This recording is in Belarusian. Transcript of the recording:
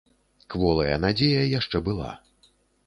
Кволая надзея яшчэ была.